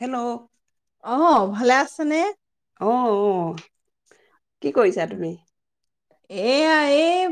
Hello'- অ- ভালে আছেনে? অ-অ- কি কৰিছা তুমি? এয়া এই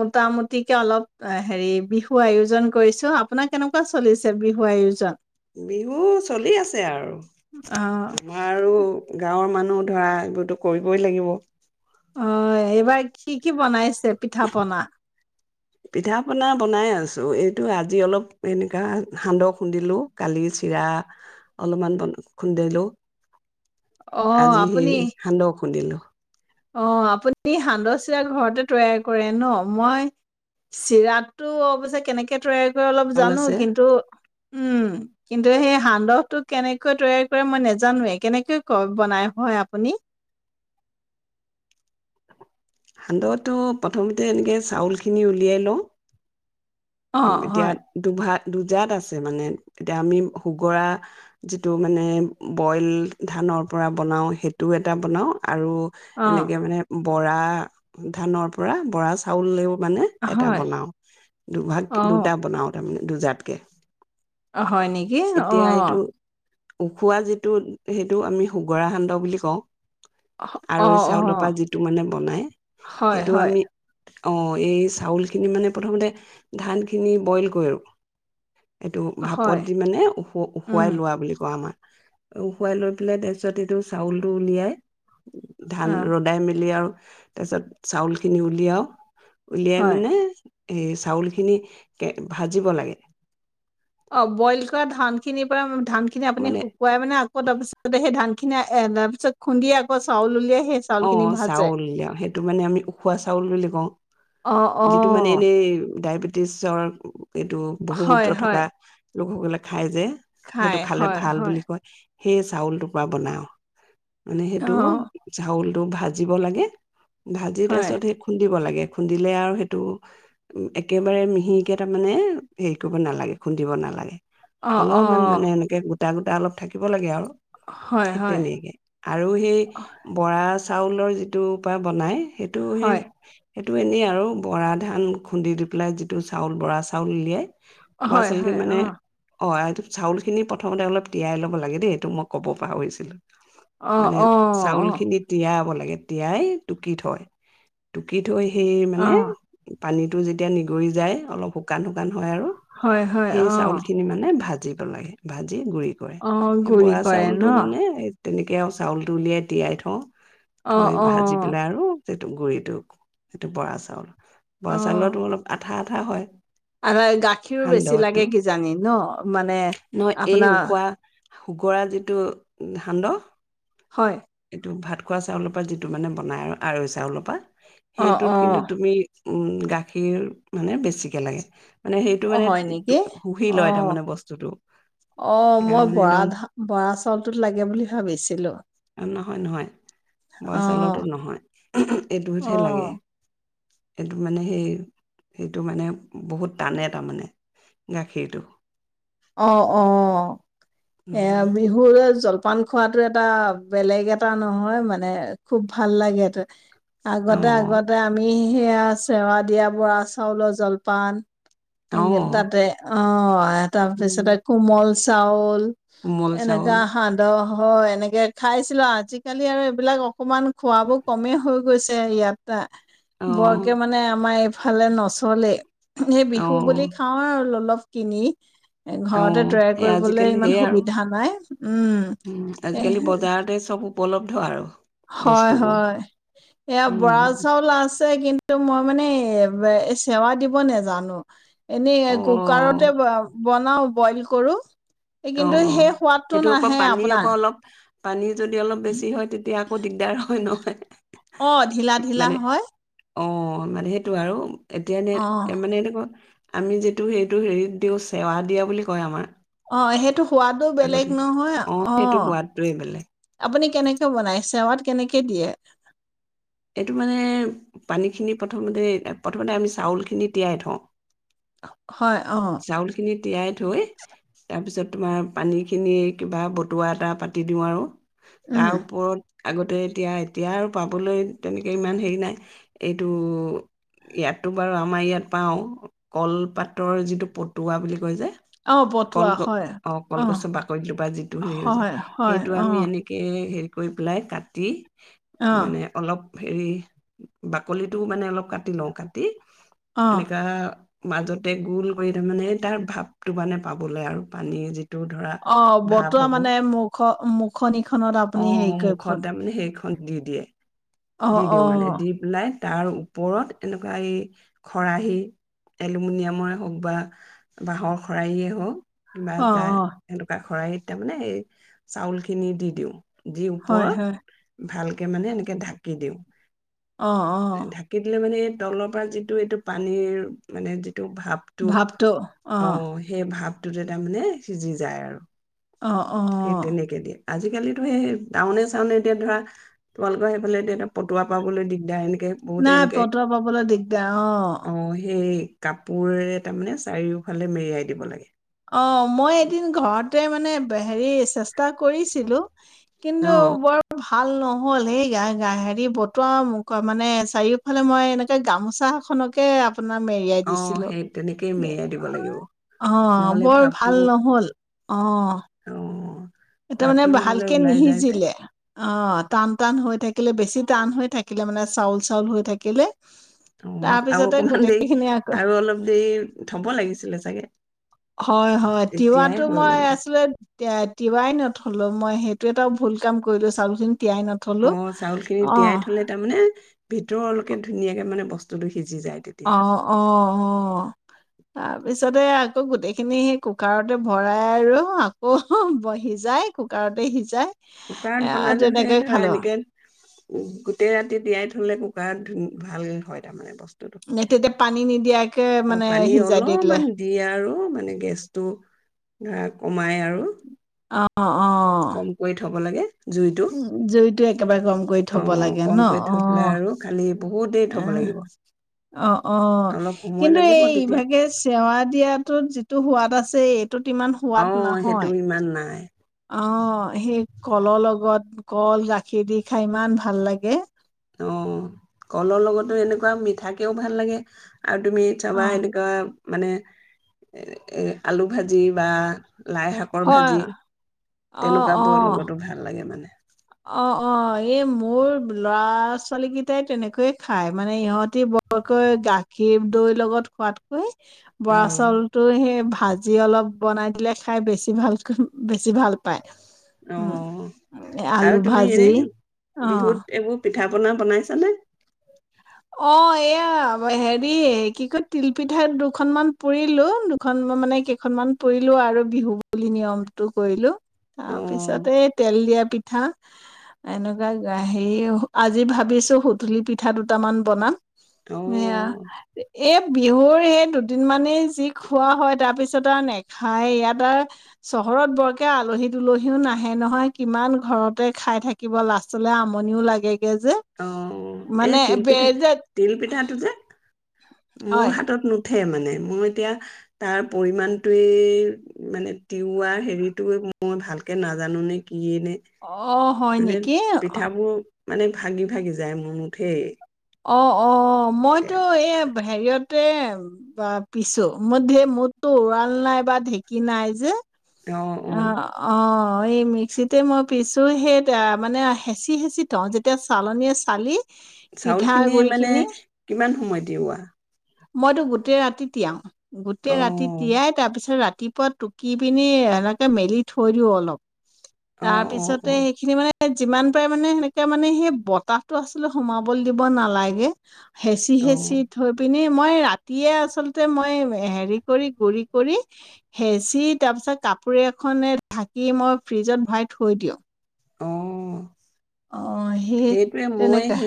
মোটামুটিকে অলপ হেৰি বিহু আয়োজন কৰিছো। আপোনাৰ কেনেকুৱা চলিছে বিহু আয়োজন? বিহু- চলি আছে অহ আৰু আমাৰ আৰু গাঁৱৰ মানুহ- ধৰা এইবোৰতো কৰিবই লাগিব। অ-এই- এইবাৰ কি কি বনাইছে পিঠা পনা? পিঠা পনা বনাই আছো। এইটো আজি অলপ এনেকুৱা সান্দহ খুন্দিলো কালি চিৰা অলপমানন খুন্দিলো। অহ আজি সেই সান্দহ খুন্দিলো। [inaudible] অ আপুনি সান্দহ চিৰা ঘৰতে তৈয়াৰ কৰে ন? মই চিৰাটো অৱশ্যে কেনেকে তৈয়াৰ কৰে- অলপ চাউল জানো আছে কিন্তু- উম্ কিন্তু সেয়ে সান্দহটো কেনেকে তৈয়াৰ কৰে মই নাজানোৱে, কেনেকৈ বনাই হয়, আপুনি? সান্দহটো প্ৰথমতে এনেকে চাউলখিনি উলিয়াই লওঁ- অহ এতিয়া হয় দুভাগ- দুজাত আছে মানে, এতিয়া আমি সুগৰা যিটো মানে বইল ধানৰ পৰা বনাওঁ সেইটোও এটা বনাওঁ- আৰু এনেকে মানে- বৰা ধানৰ পৰা বৰা চাউলেও- মানে অহ এটা হয় বনাও। দুভাগ- দুটা বনাওঁ তাৰমানে। দুজাতকে। আহ হয় নেকি? অ এতিয়া এইটো উখোৱা যিটো সেইটো আমি সুগৰা সান্দহ বুলি কওঁ। অ আৰুৈ অ চাউলৰ পৰা যিটো মানে বনাই হয় সেইটো হয় আমি- অ এই চাউল খিনি মানে প্ৰথমতে- ধানখিনি বইল কৰোঁ। এইটো ভাপত হয় দি মানে উ- উম উখুৱাই লোৱা বুলি কয় আমাৰ। উখুৱাই লৈ পেলাই তাৰ পিছত এইটো চাউলটো উলিয়াই- অ ধান ৰ'দাই মেলি আৰু তাৰ পিছত চাউলখিনি উলিয়াও উলিয়াই হয় মানে এই চাউল খিনিকে ভাজিব লাগে। অ', ব'ইল কৰা ধানখিনিৰ পৰা ধানখিনি আপুনি মানে শুকুৱাই মানে, আকৌ তাৰ পিছতে সেই ধান [unintelligible] এ তাৰ পিছত খুন্দি আকৌ চাউল উলিয়াই সেই চাউল খিনি অ' ভাজে চাউল দিয়া, সেইটো মানে আমি উখোৱা চাউল বুলি কওঁ। অ অ যিটো মানে এনেই ডায়বে ছৰ এইটো হয় বহুমূত্ৰ হয় থকা লোকসকলে খাই যে। খাই সেইটো খালে হয় ভাল হয় বুলি কয়। সেই চাউলটোৰ পৰা বনাও। মানে অ সেইটো এইটো ভাজিব লাগে। ভাজি, তাৰ হয় পিছত সেই খুন্দিব লাগে। খুন্দিলে আৰু সেইটোও একেবাৰে মিহিকে তাৰ মানে হেৰি কৰিব নালাগে, খুন্দিব নালাগে। অ অলপ অ মান মানে এনেকে গোট গোটা-গোটা অলপ থাকিব লাগে আৰু। হয় সেই হয় তেনেকে আৰু সেই পৰা চাউলৰ যিটো পা বনায় সেইটো সেই হয় সেইটো এনেই আৰু, বৰা ধান খুন্দি দি পেলাই যিটো চাউল বৰা চাউল উলিয়াই। বৰা হয় চাউল হয় কেইটা অ মানে, অ'। [unintelligible] চাউলখিনি প্ৰথমতে অলপ তিয়াই ল'ব লাগে দেই, এইটো মই ক'ব পাহৰিছিলোঁ। মানে অ'-অ'-অ'-অ'। চাউলখিনি তিয়াব লাগে, তিয়াই টুকি থয়, টুকি থৈই সেই অ মানে পানীটো যেতিয়া নিগৰি যায় অলপ শুকান-শুকান হয় আৰু, হয় হয় সেই অ চাউলখিনি মানে ভা ভাজিব লাগে, ভাজি ভাজিব গুৰি কৰে, অ সেই গুৰি বৰা কৰে ন চাউলটো মানে তেনেকে আও চাউলটো উলিয়াই তিয়াই থ অ অ ধৈ, ভাজি অ পেলাই আৰু সেইটো গুৰিটো, সেইটো বৰা চাউল। বৰা অ' চাউলৰটো অলপ অ আঠা আঠা হয়। আৰু গাখীৰো বেছি সান্দহটো লাগে কিজানি ন, মানে আপোনাৰ কুকৰা যিটো সান্দহ হয়। এইটো ভাত খোৱা চাউলৰ পৰা যিটো মানে বনায় আৰু, আৰৈ চাউলৰ পৰা। অ' সেইটোত কিন্তু অ' তুমি উম, গাখীৰ মানে বেছিকে লাগে। মানে সেইটো অহ মানে হয় নেকি? শুহি লয় অহ, তাৰমানে বস্তুটো অহ সেইকাৰণে মই মানে বৰা একদম ধা বৰা চাউলটোত লাগে বুলি ভাবিছিলো। নহয় নহয়। বৰা অ' চাউলৰটোত নহয়, এইটোত হে লাগে। অ' এইটো মানে সেই, সেইটো মানে বহুত টানে তাৰমানে গাখীৰটো। অহ অহ, এ উম বিহুৰ জল পান খোৱাটো এটা বেলেগ এটা নহয় মানে, খুব ভাল লাগেতো। অ আগতে আগতে আমি সেয়া চেৱা দিয়া বুৰা চাউলৰ জলপান অ [unintelligible] ততেই, অহ। হয়। উম তাৰপিছতে কোমল চাউল কোমল চাউল এনেকা সান্দহ হয় এনেকে খাইছিলো, আজিকালি আৰু এইবিলাক অকমান খোৱাবোৰ কমেই হৈ গৈছে ইয়াত না। অ বৰকে মানে আমাৰ এই ফালে নচলে। সেই অ বিহু বুলি খাওঁ আৰু অলপ। তিনি অ ঘৰতে তৈয়াৰ সেই কৰিবলৈ আজিকালি ইমান সেয়াই আৰু সুবিধা নাই। উম। আজিকালি এহ বজাৰতে চব উপলব্ধ আৰু। হয় বস্তুবোৰ হয়, এয়া উম বৰা চাউল আছে কিন্তু তো মই মানে, চেৱা দিব নেজানো। এনেই অ কুকাৰতে বনাওঁ। বইল কৰোঁ অ কিন্তু অ সেই সোৱাদটো নাহে আপোনাৰ পানীত যদি অলপ বেছি হয় তেতিয়া আকৌ দিগদাৰ হয় ন। [inaudible] অ', ঢিলা ঢিলা হয়। অ', মানে সেইটো আৰু এতিয়াানে অ', এ মনে ক আমি যিটো হেইটো হেৰিত দিওঁ চেৱা দিয়া বুলি কয় আমাৰ। অহ' হেইটো সোৱাদো বেলেগ আগতে নহয় সেইটো অ' সোৱাদটোৱে বেলেগ আপুনি কেনেকে বনাইছে? কেনেকে দিয়ে? এইটো মানে পানীখিনি প্ৰথমতে প্ৰথমতে আমি চাউলখিনি তিয়াই থওঁ। [unintelligible] অ', চাউল খিনি তিয়াই থৈয়। তাৰপিছত তোমাৰ পানীখিনি কিবা বতুৱা এটা পাতি দিওঁ আৰু উম, তাৰ ওপৰত আগতে এতিয়া, এতিয়া আৰু পাবলৈ তেনেকৈ ইমান হেৰি নাই এইটো ইয়াততো বাৰু আমাৰ ইয়াত পাওঁ কলপাতৰ যি টো পটুৱা বুলি কয় যে অ', বতোৱা কলগছ হয়, অ' কলগছৰ বাকলিটোৰ‌ পৰা যিটো হেৰি হৈ যায়, হয়, হয়, সেইটো আমি অ', এনেকে হেৰিত কৰি পেলাই কাটি মানে অ', অলপ হেৰি বাকলিটোও মানে অলপ কাটি লওঁ কাটি অ', এনেকা মাজতে গোল কৰি মানে তাৰ ভাৱটো মানে পাবলৈ আৰু পানী যি অহ। বতুৱা মানে মুখ, অ মুখ খনিখনত অ আপুনি হেৰি কৰি মুখত পোন তাৰমানে সেইখন দি দিয়ে। দি অ', দিওঁ অ', মানে, দি পেলাই তাৰ ওপৰত এনেকুৱা এই খৰাহী এলুমিনিয়ামৰে হওক বা বাঁহৰ খৰাহিয়েই হওক কিবা অ', এটা অ', এনেকোৱা খৰাহিত তে মানে এই চাউল খিনি দি দিওঁ। যি হয়, ওপৰত হয়, ভাল মানে এনেকোক ঢ়া কি দিওঁ। অ', অ', ঢাকি দিলে মানে তলৰ পৰা যিটো এইটো পানীৰ মানে যি টো ভাপটো, অহ, সেই ভাপটো টোতে তাৰমানে সিজি যায় আৰু। অ' সেই অ'। তেনেকে দিয়ে আজিকালিতো সেই টাউনে চাউনে এতিয়া ধৰা তোমালোকৰ সেইফালে এতিয়া এ পতোৱা পাবলৈ দিগদাৰ এনে নাই পতোৱা পাবলৈ দিগদাৰ অ। অ', সেই কাপোৰে তাৰমানে চাৰিওফালে মেৰিয়াই দিব লাগে। অ মই এদিন ঘৰত তাতে মানে হেৰি চে টা কৰিছিলোঁ, কিন্তু অ', বৰ ভাল ন হ'ল, সেই গা হেৰি বতৰ মানে, চাৰিওফালে মই এনেকে গামোচাখনকে আপোনাৰ মেৰিয়াই অ', দিছিলোঁ, সেই তেনেকেই মেৰিয়াই দিব লাগিব। অ'। নহ'লে বৰ ভাপটো ভাল নহ'ল, অ'। অ', এটো মানে ভাপটো নহ'লে ভালকে ওলাই যায় যে। নিসিজিলে। অ', টান-টান হৈ থাকিলে বেছি টান হৈ থাকিলে মানে চাউল-চাউল হৈ থাকিলে। তাৰ অ', আৰু পিছতে অকমান দেৰি গোটেইখিনি আকৌ আৰু অলপ দেৰি থ'ব লাগিছিলে চাগে। হয়-হয়, তেতিয়াই তিৱাতটো হৈ মই গ'ল দে। আছিলে আঃ, তি-তিৱাই ন হ'লও মই সেইটো এটাও ভুল কাম কৰিলোঁ, চাউলখিনি তিয়াই নথলো অ', চাউলখিনি অ' তিয়াই থলে তাৰমানে ভিতৰলৈকে ধুনীয়াকে মানে বস্ [unintelligible] অ'-অ'-অ'। তাৰ পিছতে আকৌ গোটেইখিনি‌ সেই কুকাৰতে ভৰাই আৰু আকৌ সিজাই কুকাৰতে সিজাই কুকাৰত এ বনালেও হে তেনেকে ধৰা খালো এনেকে গোটেই ৰাতি তিয়াই থ'লে কুকাৰত উম্ ভাল হয় তাৰমানে বস্। এ, তেতিয়া পানী নিদিয়াকে অ', মানে পানী সিজাই দি দিলে অলপমান দিয়ে আৰু মানে গেছটো ধৰা কমায় আৰু [inaudible] কম কৰি থ'ব লাগে। জুইটো উম, জুইটো একেবাৰে কম কৰি অ থ'ব লাগে ন, কমকৈ থৈ পেলাই অ', আৰু খালি বহুত দেৰি থব উহ্, লাগিব অ-অ অলপ সময় কিন্তু লাগিব তেতিয়া এইভাগে চেৱা দিয়াাতটোত যিটো সোৱাদ আছে [unintelligible] ত'ত ইমান অ সোৱাদ সেইটো নহয়। ইমান নাই অ', সেই কলৰ লগত কল, গাখীৰ দি খাই ইমান ভাল লাগে। অ', কলৰ লগতো এনেকুৱা মিঠাকেও ভাল লাগে। আৰু তুমি অ চাবা এনেকুৱা মানে এ-এ, আলু ভাজি বা লাই শাকৰ হয় ভাজি। অ তেনেকুৱাবোৰৰ লগতো ভাল লা গে মানে। অ'-অ', এই মোৰ ল'ৰা ছোৱালীকেইটাই তেনেকৈয়ে খাই, মানে ইহঁতি বৰকৈ গাখীৰ, দৈ লগত খোৱাতকৈ অ বৰা চাউলতো সেই ভা ভাজি অলপ বনাই দিলে, খাই বেছি ভালকৈ, বেছি ভাল পায়। অ উম। আলু আৰু তুমি এনে ভাজি অ', বিহুত এইবোৰ পিঠা পনা বনাইছানে? অ'এয়া হেৰি কি কয়, তিলপিঠা দুখনমান পুৰিলো। দুখন মানে কেইখনমান পুৰিলো আৰু বিহু বুলি নিয়মতটো কৰিলোঁ। অ তাৰপিছতে তেল দিয়া পি পিঠা এনেকুৱা হেৰি আজি ভাবিছোঁ সুতুলি পিঠা দুটা টামান বনাম। অ', এয়া এই বিহুৰ এই দুদিন মানেই যি খোৱা হয়। তাৰপিছত আৰু নেখায়। ইয়াত আৰু চহৰত বৰকৈ আলহী দুলহীও নাহে নহয়। কিমান ঘৰতে খাই থাকিব? লাষ্টলে আমনিও লাগে। গেজে মানে পিঠা, যে তিল পিঠাটো যে মোৰ হয় হাতত ন থে মানে মই এতিয়া তাৰ পৰিমাণটো‌ৱে মানে, তিওৱাৰ হেৰিটোৱে মই ভালকে নাজানোনে আহ, হয় নেকি? পিঠাবোৰ মানে ভাগি, ভাগি যায়। মোৰ নুথেই। অ। অ', মইতো এই হেৰিয়ত তেম, বা পিছো মোৰ ধে মদটো উৰাল নাই, বা ঢেঁকী নাই যে। অ' অ'। অ', এই মিক্সিতেই মই পিচোঁ। সেইটোৱে মানে হেঁচি-হেঁচি থওঁ, যেতিয়া চালনীয়ে চালি। পিঠা চাউলখিনি গুৰি মানে খিনি কিমান সময় দিওৱা? মইতো গোটেই ৰাতি তিয়াও। গোটেই ৰাতি অ', তিয়াই তাৰপিছত ৰাতি তিপুৱা টুকি পিনি এনে তেনে মেলি থৈ দিও অলপ। তাৰ অ', অ', পিছতে অ', সেইখিনি মানে যিমান পাৰে মানে, এনেকৈ মানে সেই বতাহটো আচলতে সোমাবলৈ দিব নালাগে। হেঁচি অ', হেঁচি থৈ পিনে মই ৰাতিয়েই আচলতে মই হেৰি কৰি গুৰি কৰি হেচি, তাৰপিছত কাপো কপৰি এখনে ঢাকি মই ফ্ৰিজত ভৰাই থৈ দিওঁ। অ। অ', সেই তেনেকা।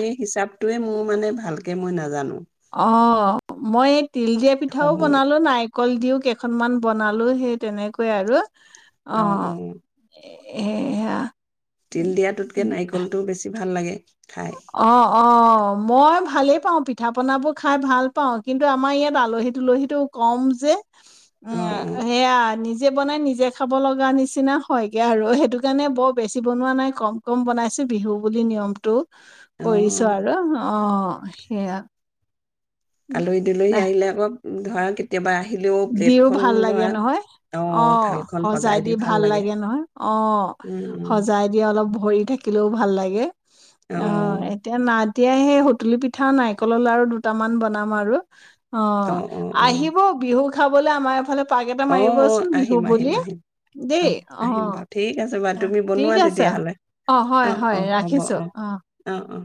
টোৱে মোৰ মানে ভালকে মই নাজানো। অ', মই এক তিল দিয়া পিঠাও সময় বনালোঁ, নাই কল দিও কেইখনমান বনালো, সেই তেনেকৈ আৰু অ', অ'। এয়া তিল দিয়াটোতকে নাৰিকলটোও বেছি ভাল লাগে। খাই অ', অ'। অ' মই ভালেই পাওঁ, পিঠা পনাবোৰ খাই ভাল পাওঁ, কিন্তু আমাৰ ইয়াত আলহী-তুলহীটো কম যে অ উম, অ সেয়া নিজ নিজে বনাই নিজে খাব লগা নিচিনা হয়গে আৰু। সেইটো কাৰণে বৰ বেছি বনোৱা নাই কম কম বনাইছো বিহু বুলি নিয়মতটো। অ কৰিছো আৰু অ' সেইয়া। আলহী-দুলহী আহিলে আকৌ ধৰা কেতিয়াবা আহি দিও ভাল লাগে নহয়, অ', সজাই দি ভাল লাগে নহয়? অ', উম সজাই দি অলপ ভৰি থাকিলেও ভাল লাগে। অ', উম এতিয়া নাদ এতিয়া সেই সুতুলি পিঠা, নাৰিকলৰ লাৰু দুটামান বনাম আৰু অ', আহিব বিহু খাবলৈ আমাৰ এইফালে পাক এটা অ', অ', মাৰিবচোন বিহু আহিম, আহিম, বুলি আহিম দেই। অহ, আহিম অ', বাৰু ঠিক আছে, বাৰু তুমি ঠিক বনোৱা আছে। তেতিয়াহ'লে হয়, অ', হয় অ', হ'ব ৰাখিছোঁ। অ', অ', অ'।